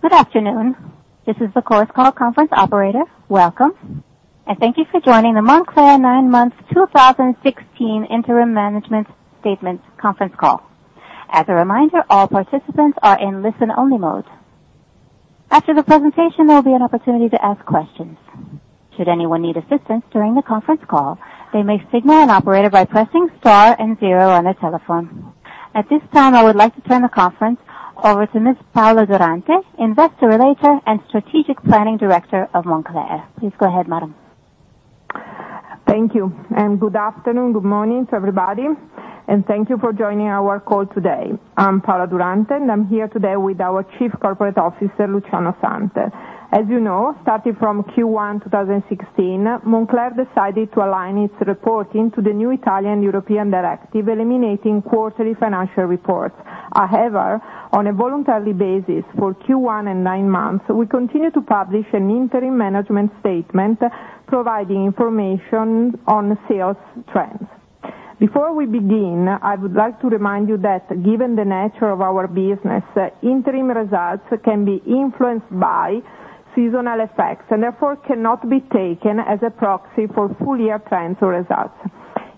Good afternoon. This is the Chorus Call conference operator. Welcome, and thank you for joining the Moncler nine months 2016 interim management statement conference call. As a reminder, all participants are in listen-only mode. After the presentation, there will be an opportunity to ask questions. Should anyone need assistance during the conference call, they may signal an operator by pressing star and zero on their telephone. At this time, I would like to turn the conference over to Ms. Paola Durante, Investor Relations and Strategic Planning Director of Moncler. Please go ahead, madam. Thank you. Good afternoon, good morning to everybody, and thank you for joining our call today. I'm Paola Durante, and I'm here today with our Chief Corporate Officer, Luciano Santel. As you know, starting from Q1 2016, Moncler decided to align its reporting to the new Italian European directive, eliminating quarterly financial reports. However, on a voluntary basis for Q1 and nine months, we continue to publish an interim management statement providing information on sales trends. Before we begin, I would like to remind you that given the nature of our business, interim results can be influenced by seasonal effects and therefore cannot be taken as a proxy for full-year trends or results.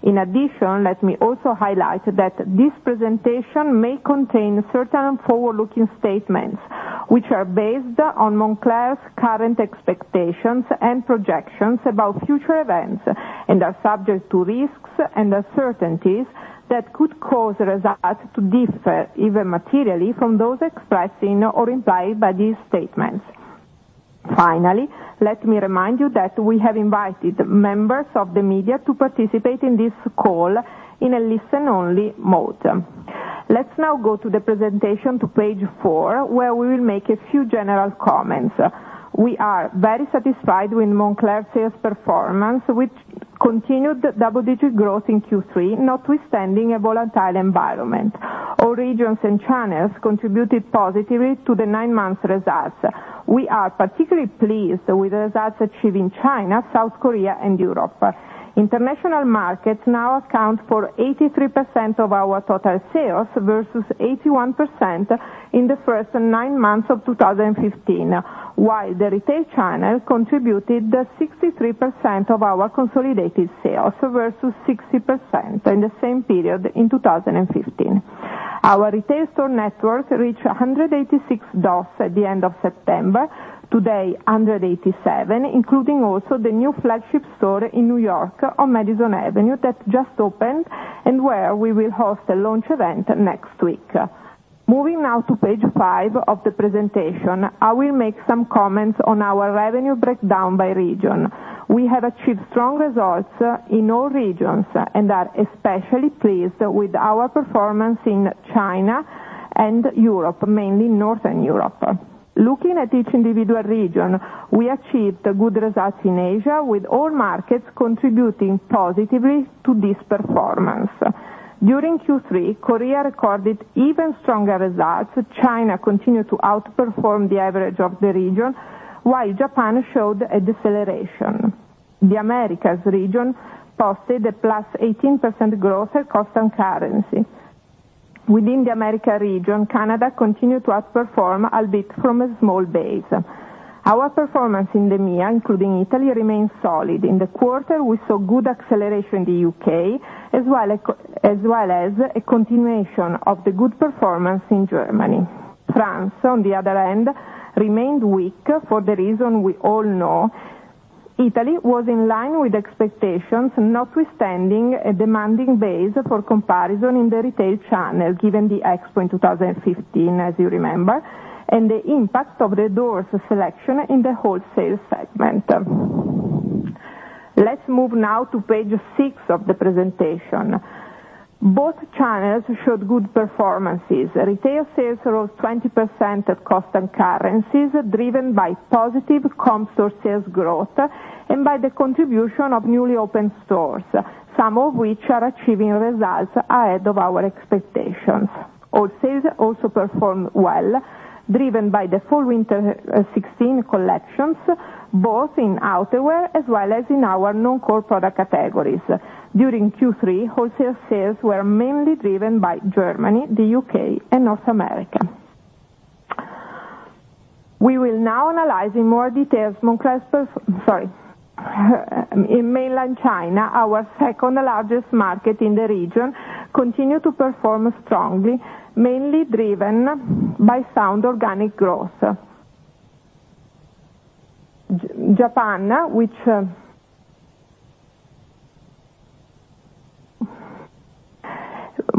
Let me also highlight that this presentation may contain certain forward-looking statements, which are based on Moncler's current expectations and projections about future events and are subject to risks and uncertainties that could cause results to differ, even materially, from those expressed in or implied by these statements. Finally, let me remind you that we have invited members of the media to participate in this call in a listen-only mode. Let's now go to the presentation to page four, where we will make a few general comments. We are very satisfied with Moncler sales performance, which continued double-digit growth in Q3, notwithstanding a volatile environment. All regions and channels contributed positively to the nine-month results. We are particularly pleased with the results achieved in China, South Korea, and Europe. International markets now account for 83% of our total sales versus 81% in the first nine months of 2015, while the retail channel contributed 63% of our consolidated sales versus 60% in the same period in 2015. Our retail store network reached 186 doors at the end of September, today 187, including also the new flagship store in New York on Madison Avenue that just opened, and where we will host a launch event next week. Moving now to page five of the presentation, I will make some comments on our revenue breakdown by region. We have achieved strong results in all regions and are especially pleased with our performance in China and Europe, mainly Northern Europe. Looking at each individual region, we achieved good results in Asia, with all markets contributing positively to this performance. During Q3, Korea recorded even stronger results. China continued to outperform the average of the region, while Japan showed a deceleration. The Americas region posted a +18% growth at constant currency. Within the Americas region, Canada continued to outperform, albeit from a small base. Our performance in the EMEA, including Italy, remains solid. In the quarter, we saw good acceleration in the U.K. as well as a continuation of the good performance in Germany. France, on the other hand, remained weak for the reason we all know. Italy was in line with expectations, notwithstanding a demanding base for comparison in the retail channel, given the Expo in 2015, as you remember, and the impact of the doors selection in the wholesale segment. Let's move now to page six of the presentation. Both channels showed good performances. Retail sales rose 20% at constant currencies, driven by positive comp store sales growth and by the contribution of newly opened stores, some of which are achieving results ahead of our expectations. Wholesale also performed well, driven by the fall/winter '16 collections, both in outerwear as well as in our non-core product categories. During Q3, wholesale sales were mainly driven by Germany, the U.K., and North America. In mainland China, our second-largest market in the region, continue to perform strongly, mainly driven by sound organic growth.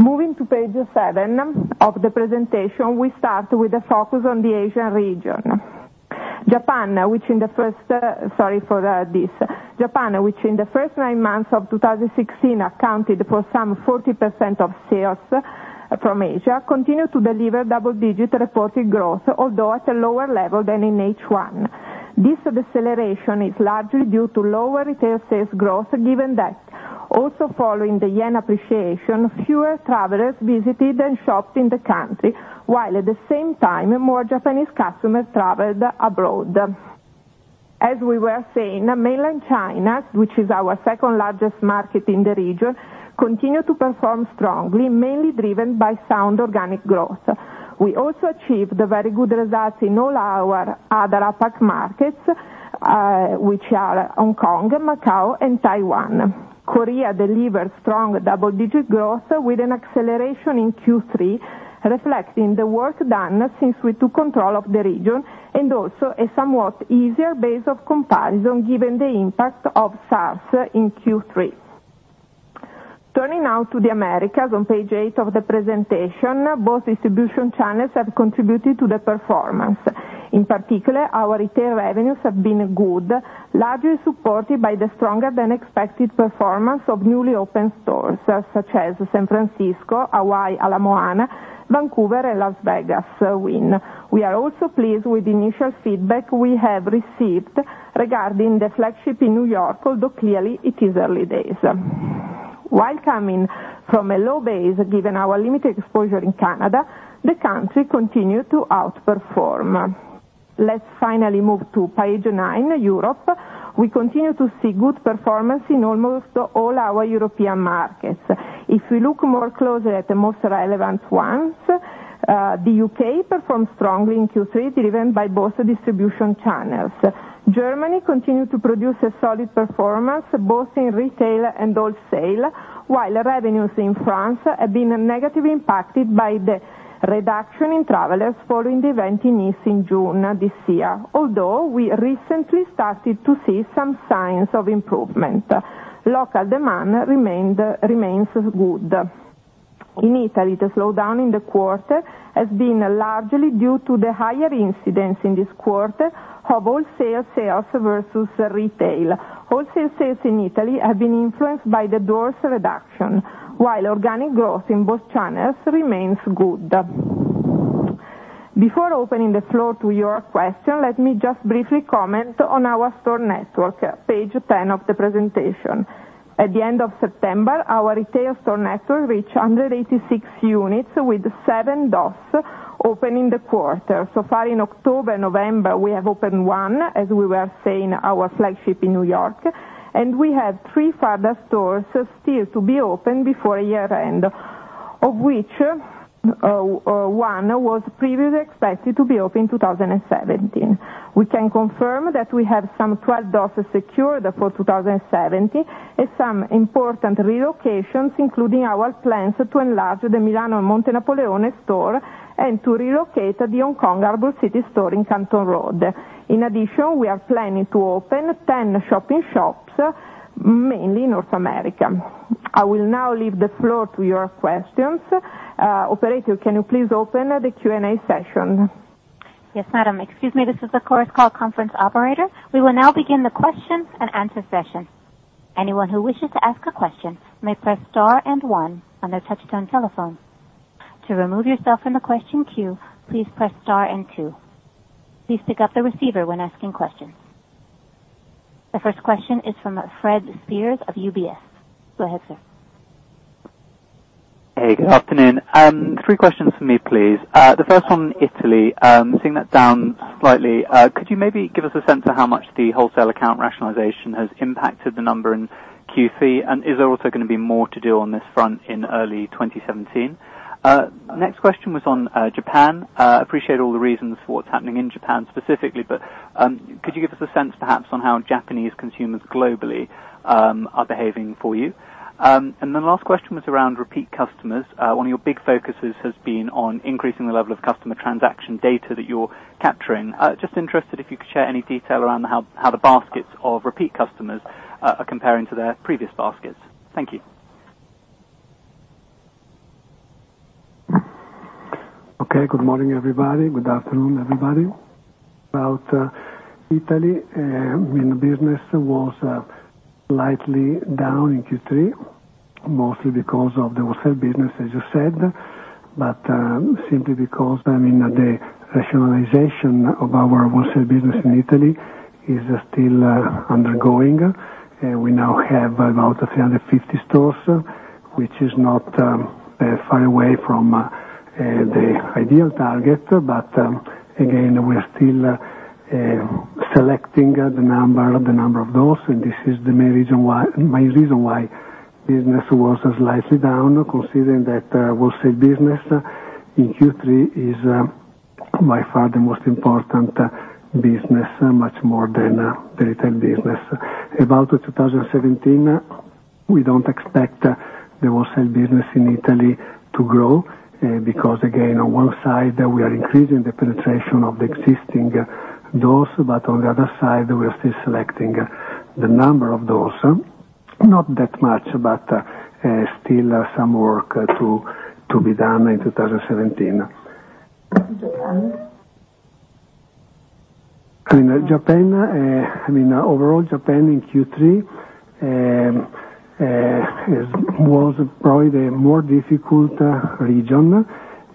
Moving to page seven of the presentation, we start with a focus on the Asian region. Japan, which in the first Japan, which in the first nine months of 2016 accounted for some 40% of sales from Asia, continued to deliver double-digit reported growth, although at a lower level than in H1. This deceleration is largely due to lower retail sales growth, given that also following the JPY appreciation, fewer travelers visited and shopped in the country, while at the same time, more Japanese customers traveled abroad. As we were saying, Mainland China, which is our second largest market in the region, continued to perform strongly, mainly driven by sound organic growth. We also achieved very good results in all our other APAC markets, which are Hong Kong, Macau, and Taiwan. Korea delivered strong double-digit growth with an acceleration in Q3, reflecting the work done since we took control of the region, and also a somewhat easier base of comparison given the impact of MERS in Q3. Turning now to the Americas on page eight of the presentation. Both distribution channels have contributed to the performance. In particular, our retail revenues have been good, largely supported by the stronger than expected performance of newly opened stores, such as San Francisco, Hawaii, Ala Moana, Vancouver, and Las Vegas Wynn. We are also pleased with the initial feedback we have received regarding the flagship in New York, although clearly it is early days. While coming from a low base, given our limited exposure in Canada, the country continued to outperform. Let's finally move to page nine, Europe. We continue to see good performance in almost all our European markets. If we look more closely at the most relevant ones, the U.K. performed strongly in Q3, driven by both distribution channels. Germany continued to produce a solid performance both in retail and wholesale, while revenues in France have been negatively impacted by the reduction in travelers following the event in Nice in June this year. We recently started to see some signs of improvement. Local demand remains good. In Italy, the slowdown in the quarter has been largely due to the higher incidence in this quarter of wholesale sales versus retail. Wholesale sales in Italy have been influenced by the doors reduction, while organic growth in both channels remains good. Before opening the floor to your questions, let me just briefly comment on our store network, page 10 of the presentation. At the end of September, our retail store network reached 186 units with seven doors opened in the quarter. So far in October and November, we have opened one, as we were saying, our flagship in New York, and we have three further stores still to be opened before year-end, of which one was previously expected to be opened 2017. We can confirm that we have some 12 doors secured for 2017 and some important relocations, including our plans to enlarge the Milano Monte Napoleone store and to relocate the Hong Kong Harbour City store in Canton Road. In addition, we are planning to open 10 shop-in-shops, mainly in North America. I will now leave the floor to your questions. Operator, can you please open the Q&A session? Yes, madam. Excuse me, this is the Chorus Call conference operator. We will now begin the question and answer session. Anyone who wishes to ask a question may press star and one on their touch-tone telephone. To remove yourself from the question queue, please press star and two. Please pick up the receiver when asking questions. The first question is from Fred Speirs of UBS. Go ahead, sir. Hey, good afternoon. Three questions from me, please. The first one, Italy. Seeing that down slightly, could you maybe give us a sense of how much the wholesale account rationalization has impacted the number in Q3, and is there also going to be more to do on this front in early 2017? Next question was on Japan. Appreciate all the reasons for what's happening in Japan specifically, could you give us a sense perhaps on how Japanese consumers globally are behaving for you? The last question was around repeat customers. One of your big focuses has been on increasing the level of customer transaction data that you're capturing. Just interested if you could share any detail around how the baskets of repeat customers are comparing to their previous baskets. Thank you. Okay. Good morning, everybody. Good afternoon, everybody. About Italy, business was slightly down in Q3, mostly because of the wholesale business, as you said, but simply because the rationalization of our wholesale business in Italy is still undergoing. We now have about 350 stores, which is not far away from the ideal target. Again, we're still selecting the number of doors, and this is the main reason why business was slightly down, considering that wholesale business in Q3 is by far the most important business, much more than the retail business. About 2017, we don't expect the wholesale business in Italy to grow, because again, on one side, we are increasing the penetration of the existing doors, but on the other side, we are still selecting the number of doors. Not that much, but still some work to be done in 2017. Japan? Overall, Japan in Q3, was probably the more difficult region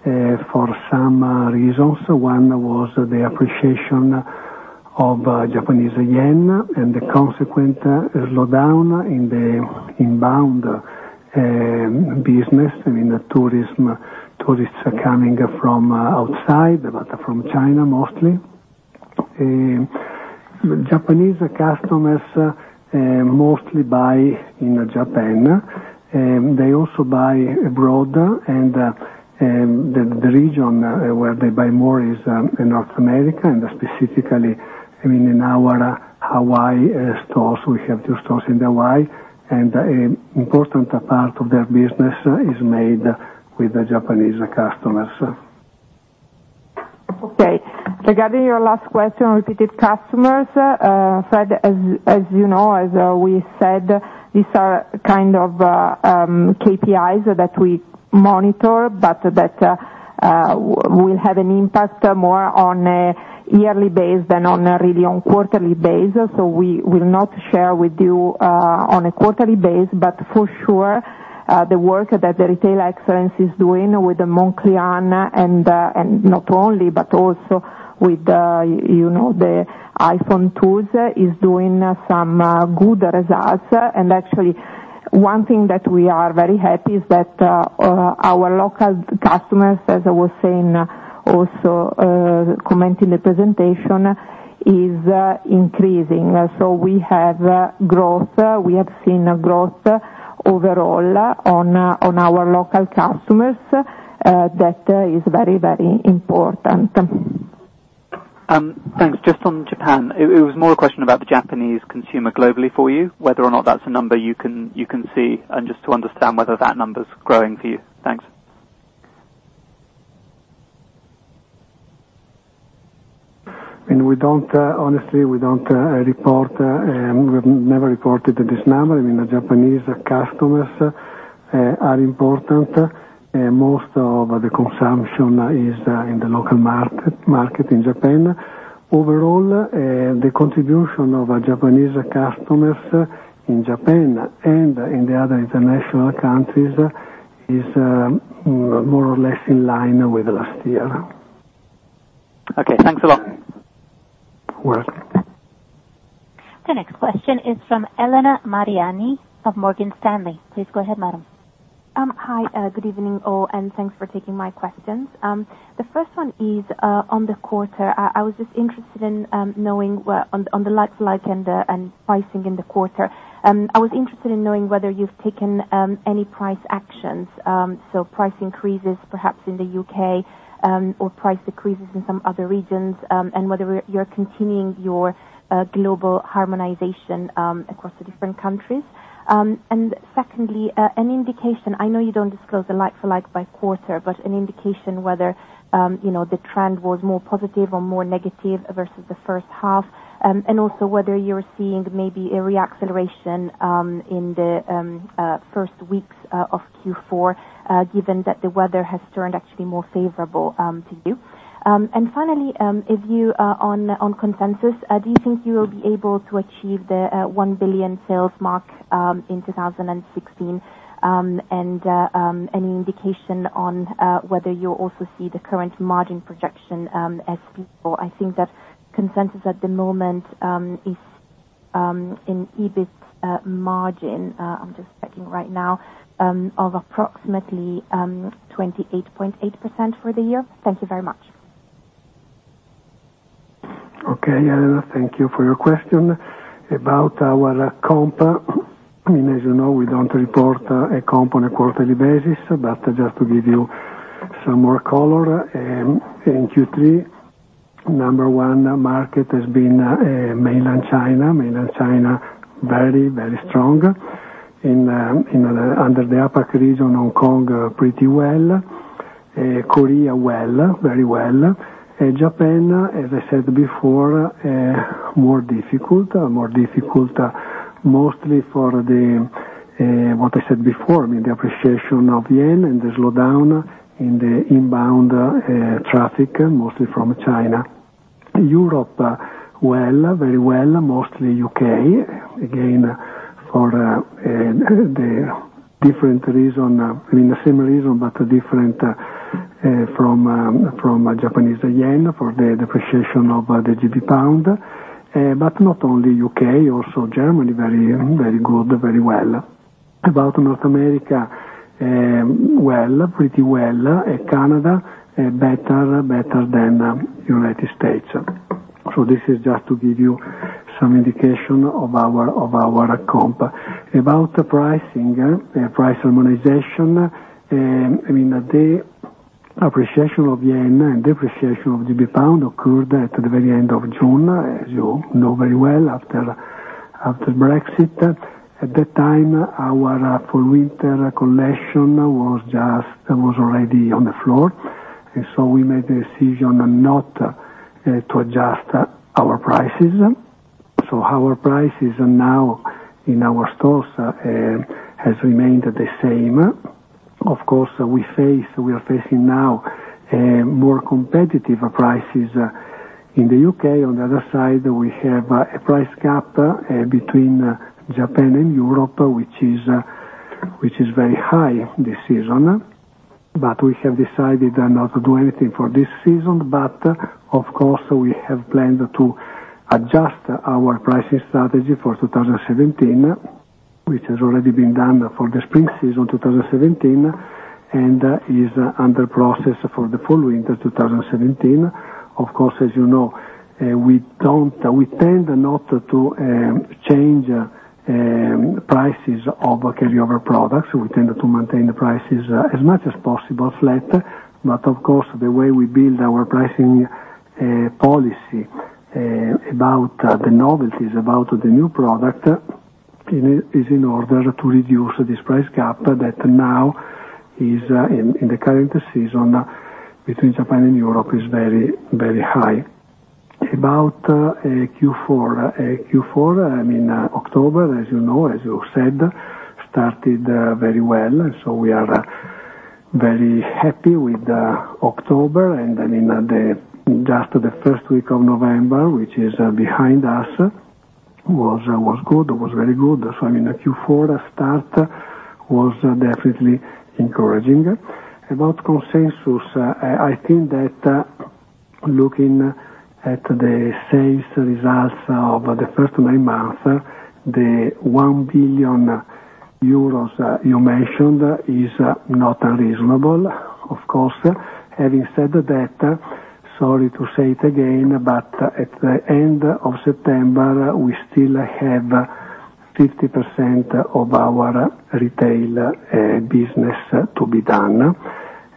for some reasons. One was the appreciation of Japanese yen and the consequent slowdown in the inbound Business. I mean, the tourists are coming from outside, but from China mostly. Japanese customers mostly buy in Japan. They also buy abroad, and the region where they buy more is in North America, and specifically in our Hawaii stores. We have two stores in Hawaii, and important part of their business is made with the Japanese customers. Okay. Regarding your last question on repeated customers, Fred, as you know, as we said, these are kind of KPIs that we monitor, but that will have an impact more on a yearly base than on a really on quarterly basis. We will not share with you on a quarterly base, but for sure, the work that the retail excellence is doing with Moncler, and not only, but also with the iPhone tools, is doing some good results. Actually, one thing that we are very happy is that our local customers, as I was saying, also comment in the presentation, is increasing. We have growth. We have seen a growth overall on our local customers. That is very important. Thanks. Just on Japan, it was more a question about the Japanese consumer globally for you, whether or not that's a number you can see, and just to understand whether that number's growing for you. Thanks. Honestly, we don't report, we've never reported this number. I mean, the Japanese customers are important. Most of the consumption is in the local market in Japan. Overall, the contribution of Japanese customers in Japan and in the other international countries is more or less in line with last year. Okay, thanks a lot. You're welcome. The next question is from Elena Mariani of Morgan Stanley. Please go ahead, madam. Hi, good evening, all, and thanks for taking my questions. The first one is on the quarter. I was just interested in knowing on the like-for-like and pricing in the quarter. I was interested in knowing whether you've taken any price actions, so price increases, perhaps in the U.K., or price decreases in some other regions, and whether you're continuing your global harmonization across the different countries. Secondly, an indication, I know you don't disclose the like-for-like by quarter, but an indication whether the trend was more positive or more negative versus the H1. Also whether you're seeing maybe a re-acceleration in the first weeks of Q4, given that the weather has turned actually more favorable to you. Finally, on consensus, do you think you will be able to achieve the 1 billion sales mark in 2016? Any indication on whether you also see the current margin projection as before? I think that consensus at the moment is in EBIT margin, I'm just checking right now, of approximately 28.8% for the year. Thank you very much. Okay, Elena, thank you for your question. About our comp, as you know, we don't report a comp on a quarterly basis, but just to give you some more color. In Q3, number 1 market has been Mainland China. Mainland China, very strong. Under the APAC region, Hong Kong, pretty well. Korea, very well. Japan, as I said before, more difficult. More difficult mostly for the, what I said before, I mean, the appreciation of JPY and the slowdown in the inbound traffic, mostly from China. Europe, very well, mostly U.K. Again, for the different reason, I mean, the same reason, but different from Japanese JPY for the depreciation of the GBP. Not only U.K., also Germany, very good, very well. About North America, pretty well. Canada, better than U.S. This is just to give you some indication of our comp. About pricing, price harmonization. I mean, the appreciation of JPY and depreciation of GBP occurred at the very end of June, as you know very well, after Brexit. At that time, our full winter collection was already on the floor. We made the decision not to adjust our prices. Our prices now in our stores has remained the same. Of course, we are facing now more competitive prices in the U.K. On the other side, we have a price gap between Japan and Europe, which is very high this season. We have decided not to do anything for this season. Of course, we have planned to adjust our pricing strategy for 2017, which has already been done for the spring season 2017 and is under process for the fall/winter 2017. Of course, as you know, we tend not to change prices of carryover products. We tend to maintain the prices as much as possible flat. Of course, the way we build our pricing policy about the novelties, about the new product, is in order to reduce this price gap that now is in the current season between Japan and Europe, is very high. About Q4, October, as you know, as you said, started very well. We are very happy with October and in just the first week of November, which is behind us, was very good. Q4 start was definitely encouraging. About consensus, I think that looking at the sales results of the first nine months, the 1 billion euros you mentioned is not unreasonable. Of course, having said that, sorry to say it again, at the end of September, we still have 50% of our retail business to be done.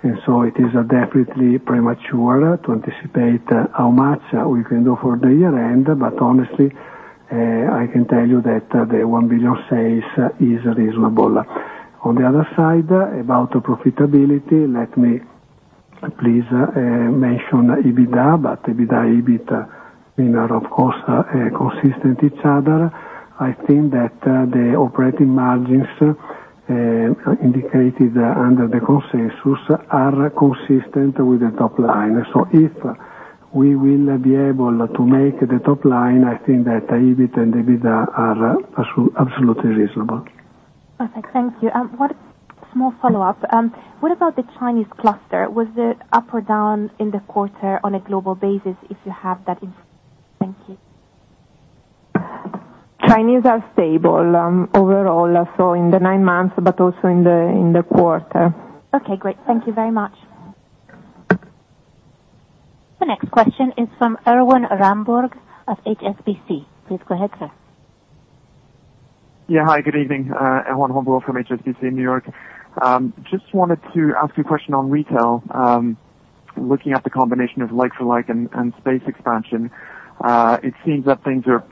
It is definitely premature to anticipate how much we can do for the year-end. Honestly, I can tell you that the 1 billion sales is reasonable. On the other side, about profitability, let me please mention EBITDA, EBIT, mean are of course, consistent each other. I think that the operating margins indicated under the consensus are consistent with the top line. If we will be able to make the top line, I think that EBIT and EBITDA are absolutely reasonable. Okay, thank you. One small follow-up. What about the Chinese cluster? Was it up or down in the quarter on a global basis, if you have that information? Thank you. Chinese are stable overall, so in the nine months, but also in the quarter. Okay, great. Thank you very much. The next question is from Erwan Rambourg of HSBC. Please go ahead, sir. Yeah. Hi, good evening. Erwan Rambourg from HSBC in New York. Just wanted to ask you a question on retail. Looking at the combination of like-for-like and space expansion, it seems that things are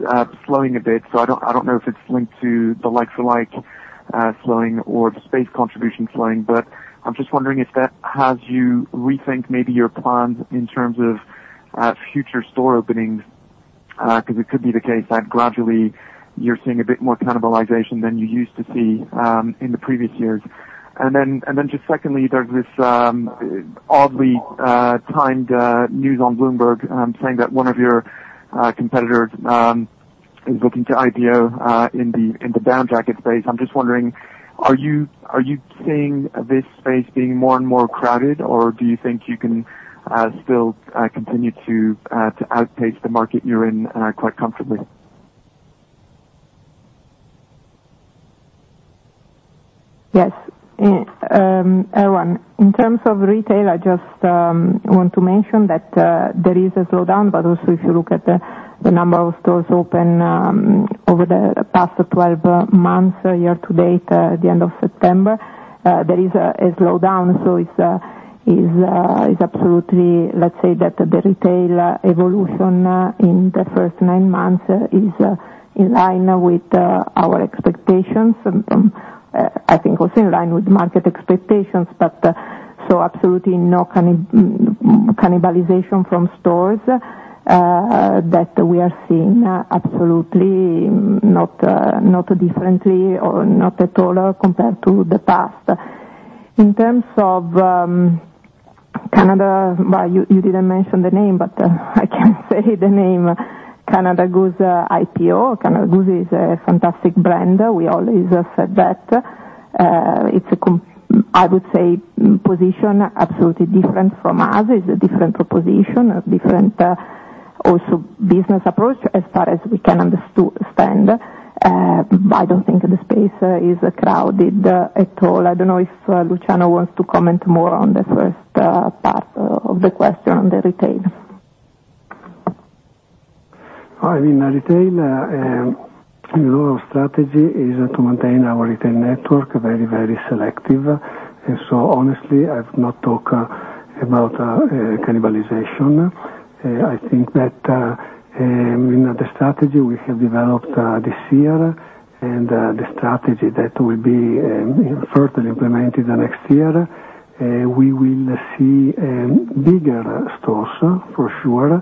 slowing a bit. I don't know if it's linked to the like-for-like slowing or the space contribution slowing, but I'm just wondering if that has you rethink maybe your plans in terms of future store openings, because it could be the case that gradually you're seeing a bit more cannibalization than you used to see in the previous years. Then just secondly, there's this oddly timed news on Bloomberg saying that one of your competitors is looking to IPO in the down jacket space. I'm just wondering, are you seeing this space being more and more crowded, or do you think you can still continue to outpace the market you're in quite comfortably? Yes. Erwan, in terms of retail, I just want to mention that there is a slowdown, also if you look at the number of stores open over the past 12 months, year to date, at the end of September, there is a slowdown. It's absolutely, let's say that the retail evolution in the first nine months is in line with our expectations, I think also in line with market expectations, absolutely no cannibalization from stores that we are seeing. Absolutely not differently or not at all compared to the past. In terms of Canada, you didn't mention the name, but I can say the name Canada Goose IPO. Canada Goose is a fantastic brand. We always said that. It's, I would say, position absolutely different from us. It's a different proposition, a different also business approach as far as we can understand. I don't think the space is crowded at all. I don't know if Luciano wants to comment more on the first part of the question on the retail. In retail, our strategy is to maintain our retail network very selective. Honestly, I've not talked about cannibalization. I think that the strategy we have developed this year and the strategy that will be further implemented next year, we will see bigger stores for sure.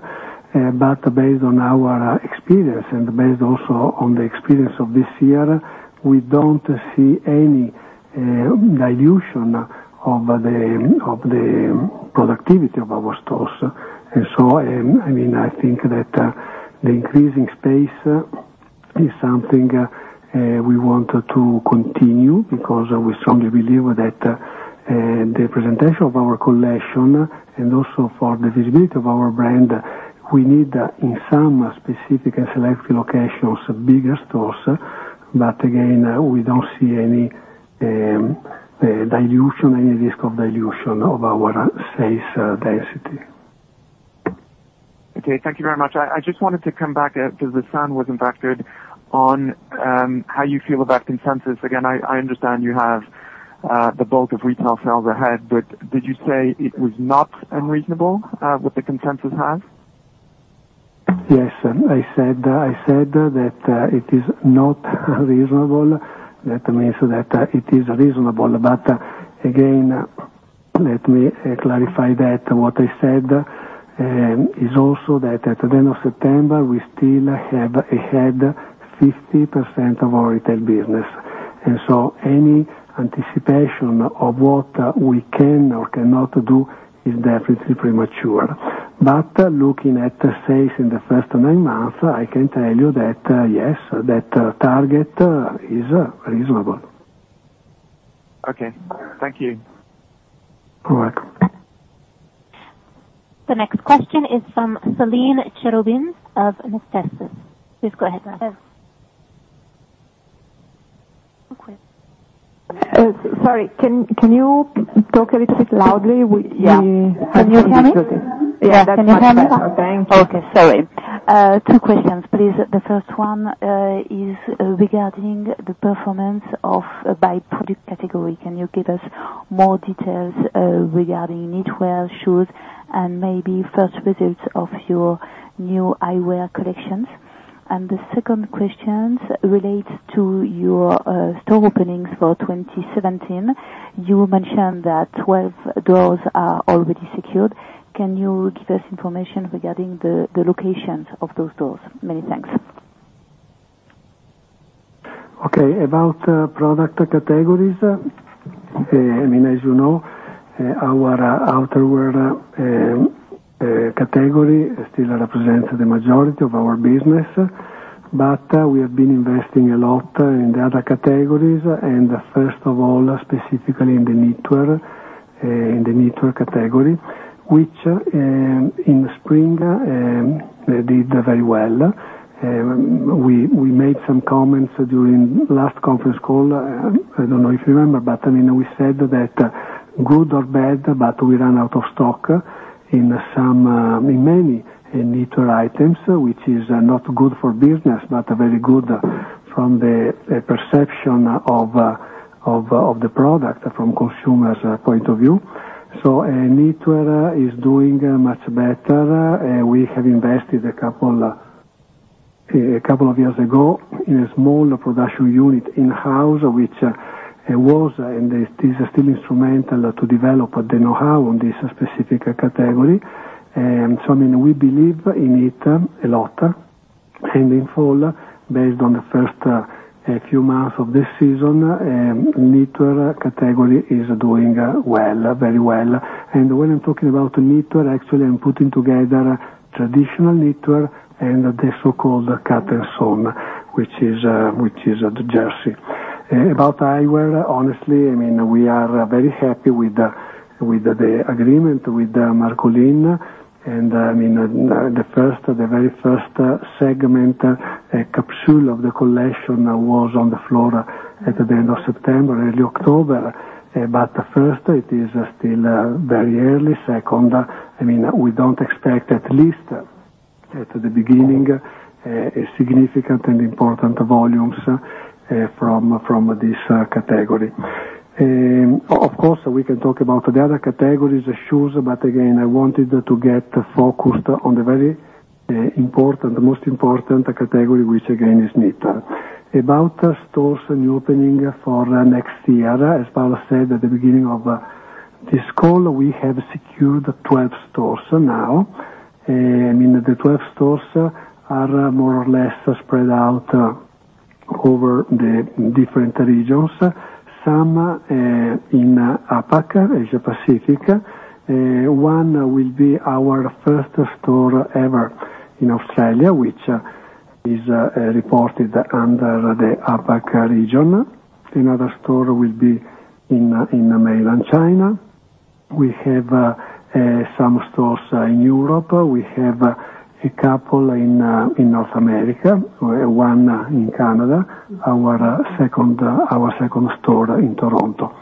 Based on our experience and based also on the experience of this year, we don't see any dilution of the productivity of our stores. I think that the increasing space is something we want to continue because we strongly believe that the presentation of our collection and also for the visibility of our brand, we need in some specific and select locations, bigger stores. Again, we don't see any dilution, any risk of dilution of our space density. Okay. Thank you very much. I just wanted to come back, because the sound was impacted, on how you feel about consensus. Again, I understand you have the bulk of retail sales ahead, did you say it was not unreasonable, what the consensus has? Yes. I said that it is not reasonable. That means that it is reasonable. Again, let me clarify that what I said is also that at the end of September, we still have ahead 50% of our retail business. Any anticipation of what we can or cannot do is definitely premature. Looking at the space in the first nine months, I can tell you that, yes, that target is reasonable. Okay. Thank you. You're welcome. The next question is from Celine Cherubin of Natixis. Please go ahead. Sorry, can you talk a little bit loudly? Yeah. Can you hear me? Yeah. That's much better. Thank you. Okay. Sorry. Two questions, please. The first one is regarding the performance of by product category. Can you give us more details regarding knitwear, shoes, and maybe first results of your new eyewear collections? The second question relates to your store openings for 2017. You mentioned that 12 doors are already secured. Can you give us information regarding the locations of those doors? Many thanks. Okay. About product categories, I mean, as you know, our outerwear category still represents the majority of our business. We have been investing a lot in the other categories and first of all, specifically in the knitwear category, which in the spring, did very well. We made some comments during last conference call. I don't know if you remember, but I mean, we said that good or bad, but we ran out of stock in many knitwear items, which is not good for business, but very good from the perception of the product from consumers' point of view. Knitwear is doing much better. We have invested a couple of years ago in a small production unit in-house, which was, and is still instrumental to develop the knowhow on this specific category. I mean, we believe in it a lot. In fall, based on the first few months of this season, knitwear category is doing well, very well. When I'm talking about knitwear, actually I'm putting together traditional knitwear and the so-called cut and sew, which is the jersey. About eyewear, honestly, I mean, we are very happy with the agreement with Marcolin, and I mean, the very first segment capsule of the collection was on the floor at the end of September, early October. First, it is still very early. Second, I mean, we don't expect, at least at the beginning, a significant and important volumes from this category. Of course, we can talk about the other categories, shoes, but again, I wanted to get focused on the very important, most important category, which again is knitwear. About stores and new opening for next year, as Paola said at the beginning of this call, we have secured 12 stores now. I mean, the 12 stores are more or less spread out over the different regions. Some in APAC, Asia Pacific. One will be our first store ever in Australia, which is reported under the APAC region. Another store will be in mainland China. We have some stores in Europe. We have a couple in North America. One in Canada, our second store in Toronto.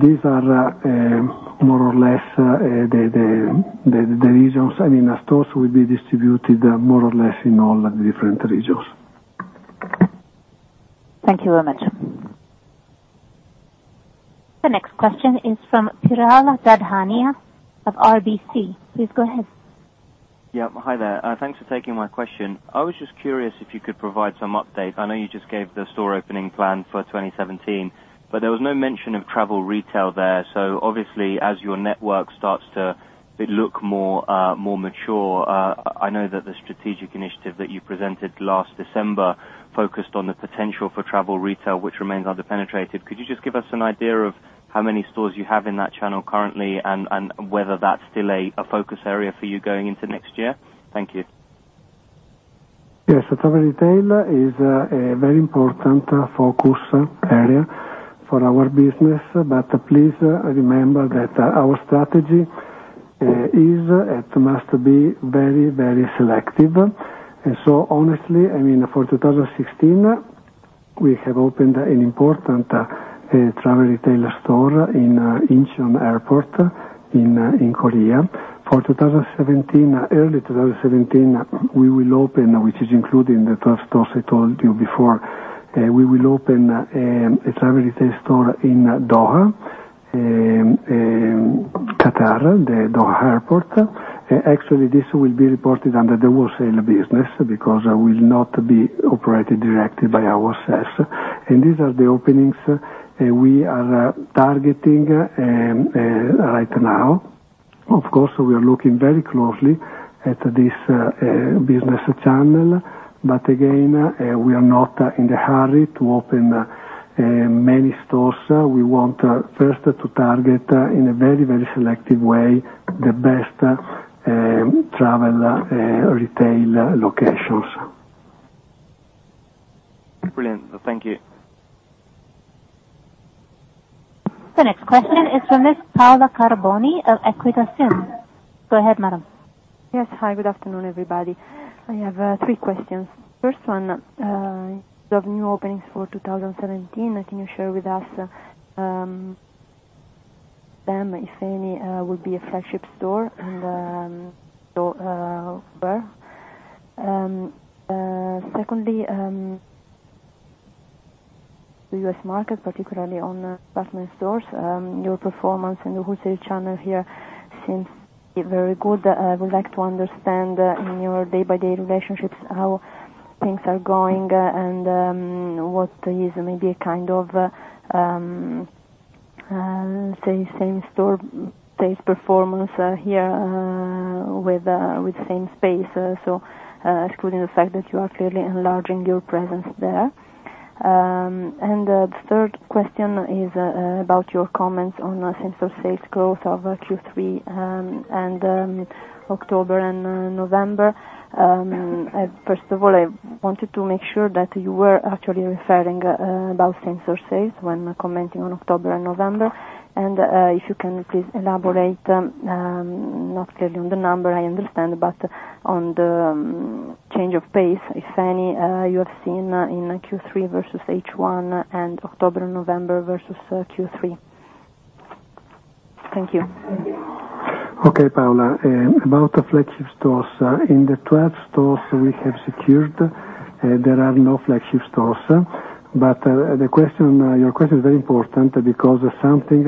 These are more or less the regions. I mean, stores will be distributed more or less in all the different regions. Thank you very much. The next question is from Piral Dadhania of RBC. Please go ahead. Yeah. Hi there. Thanks for taking my question. I was just curious if you could provide some update. I know you just gave the store opening plan for 2017, there was no mention of travel retail there. Obviously as your network starts to look more mature, I know that the strategic initiative that you presented last December focused on the potential for travel retail, which remains under-penetrated. Could you just give us an idea of how many stores you have in that channel currently and whether that's still a focus area for you going into next year? Thank you. Yes. Travel retail is a very important focus area for our business. Please remember that our strategy is, it must be very selective. Honestly, for 2016, we have opened an important travel retail store in Incheon Airport in Korea. For early 2017, we will open, which is included in the first stores I told you before, a travel retail store in Doha, Qatar, the Doha Airport. This will be reported under the wholesale business because it will not be operated directly by ourselves. These are the openings we are targeting right now. Of course, we are looking very closely at this business channel. Again, we are not in a hurry to open many stores. We want first to target, in a very selective way, the best travel retail locations. Brilliant. Thank you. The next question is from Ms. Paola Carboni of Equita SIM. Go ahead, madam. Yes. Hi, good afternoon, everybody. I have three questions. First one, you have new openings for 2017. Can you share with us, if any, will be a flagship store and where? Secondly, the U.S. market, particularly on department stores, your performance in the wholesale channel here seems very good. I would like to understand in your day-by-day relationships, how things are going and what is maybe a kind of same store sales performance here with same space. Excluding the fact that you are clearly enlarging your presence there. The third question is about your comments on same store sales growth of Q3, and October and November. First of all, I wanted to make sure that you were actually referring about same store sales when commenting on October and November, if you can please elaborate, not clearly on the number, I understand, but on the change of pace, if any, you have seen in Q3 versus H1 and October, November versus Q3. Thank you. Okay, Paola. About flagship stores. In the 12 stores we have secured, there are no flagship stores. Your question is very important because something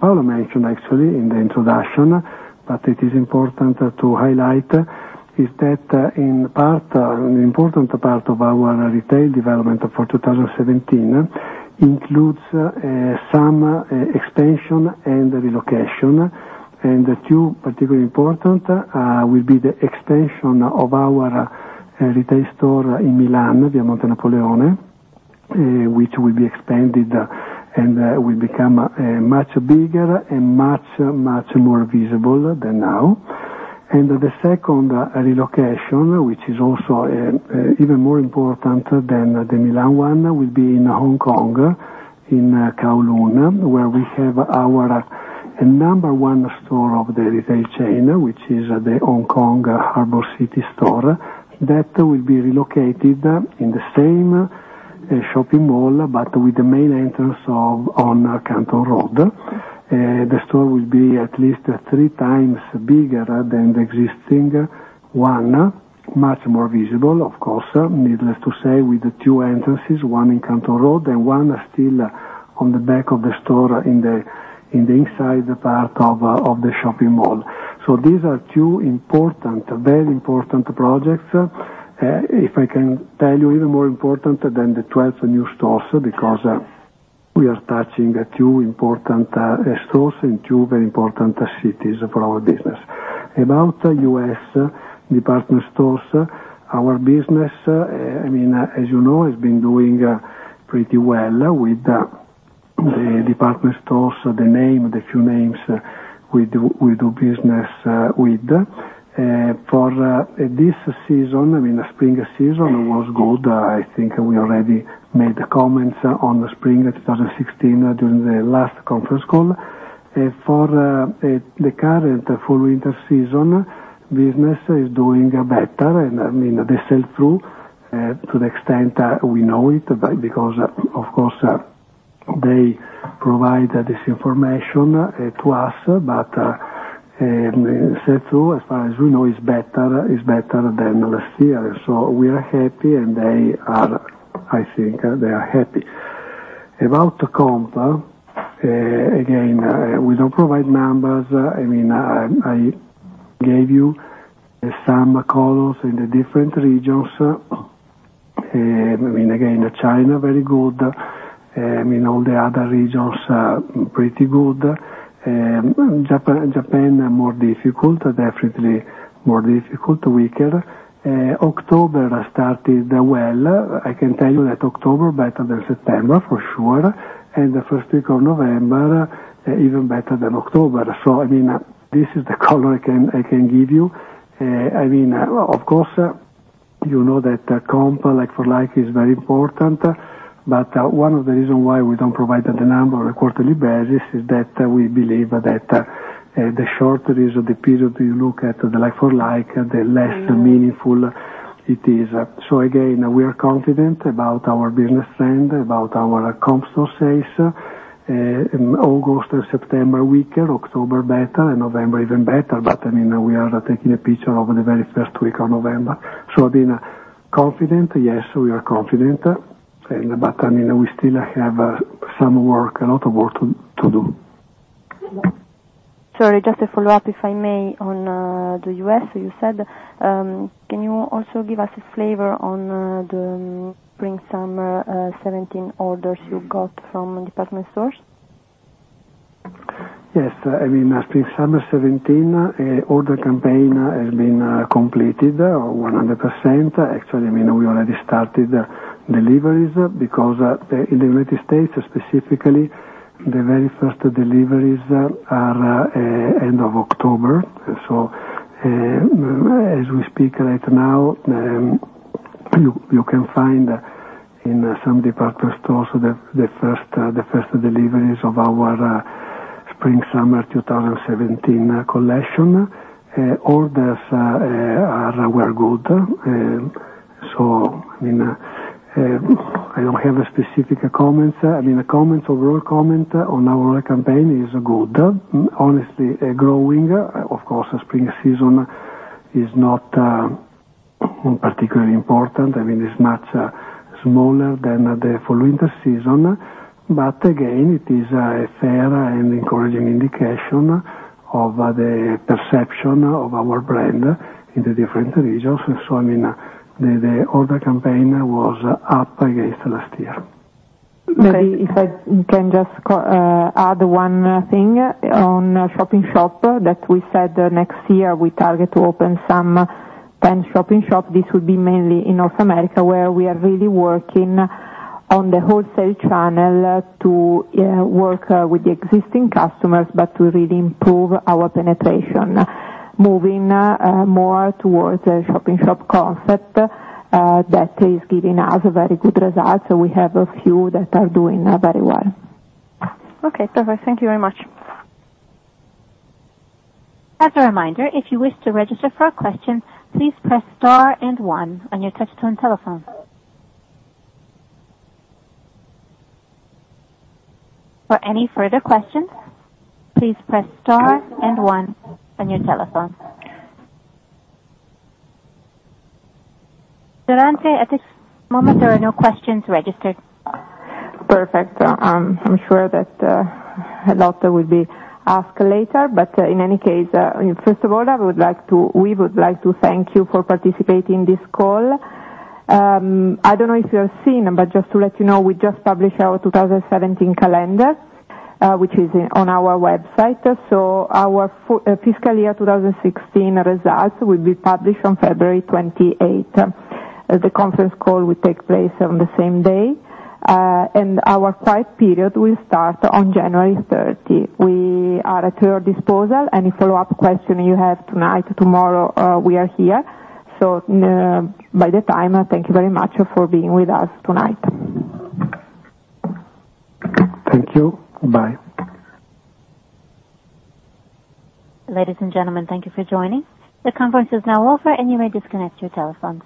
Paola mentioned actually in the introduction, it is important to highlight, is that an important part of our retail development for 2017 includes some expansion and relocation. Two particularly important will be the expansion of our retail store in Milan, Via Monte Napoleone, which will be expanded and will become much bigger and much more visible than now. The second relocation, which is also even more important than the Milan one, will be in Hong Kong, in Kowloon, where we have our number one store of the retail chain, which is the Hong Kong Harbour City store. That will be relocated in the same shopping mall, but with the main entrance on Canton Road. The store will be at least three times bigger than the existing one, much more visible, of course, needless to say, with two entrances, one in Canton Road and one still on the back of the store in the inside part of the shopping mall. These are two very important projects. If I can tell you, even more important than the 12 new stores, because we are touching two important stores in two very important cities for our business. About U.S. department stores, our business, as you know, has been doing pretty well with the department stores, the few names we do business with. For this season, spring season was good. I think we already made comments on spring 2016 during the last conference call. For the current full winter season, business is doing better, and the sell-through, to the extent we know it, because of course, they provide this information to us. Sell-through, as far as we know, is better than last year. We are happy, and I think they are happy. About comp, again, we don't provide numbers. I gave you some colors in the different regions. Again, China, very good. All the other regions are pretty good. Japan are more difficult, definitely more difficult, weaker. October started well. I can tell you that October better than September, for sure. The first week of November, even better than October. This is the color I can give you. Of course, you know that comp like-for-like is very important, but one of the reasons why we don't provide the number on a quarterly basis is that we believe that the shorter is the period you look at the like-for-like, the less meaningful it is. Again, we are confident about our business trend, about our comp store sales. In August and September, weaker, October, better, and November, even better. We are taking a picture of the very first week of November. I've been confident. Yes, we are confident. We still have a lot of work to do. Sorry, just a follow-up, if I may, on the U.S., you said. Can you also give us a flavor on the Spring/Summer '17 orders you got from department stores? Yes. Spring/Summer '17 order campaign has been completed 100%. Actually, we already started deliveries because in the United States, specifically, the very first deliveries are end of October. As we speak right now, you can find in some department stores the first deliveries of our Spring/Summer 2017 collection. Orders were good. I don't have specific comments. Overall comment on our campaign is good. Honestly, growing. Of course, spring season is not particularly important. It's much smaller than the fall/winter season. Again, it is a fair and encouraging indication of the perception of our brand in the different regions. The order campaign was up against last year. Maybe if I can just add one thing on shop-in-shop, that we said next year we target to open some 10 shop-in-shop. This would be mainly in North America, where we are really working on the wholesale channel to work with the existing customers, to really improve our penetration. Moving more towards a shop-in-shop concept, that is giving us very good results, and we have a few that are doing very well. Perfect. Thank you very much. As a reminder, if you wish to register for a question, please press star and one on your touch-tone telephone. For any further questions, please press star and one on your telephone. Florence, at this moment, there are no questions registered. Perfect. I'm sure that a lot will be asked later. In any case, first of all, we would like to thank you for participating in this call. I don't know if you have seen, but just to let you know, we just published our 2017 calendar, which is on our website. Our fiscal year 2016 results will be published on February 28th. The conference call will take place on the same day. Our quiet period will start on January 30th. We are at your disposal. Any follow-up question you have tonight, tomorrow, we are here. By the time, thank you very much for being with us tonight. Thank you. Bye. Ladies and gentlemen, thank you for joining. The conference is now over, and you may disconnect your telephones.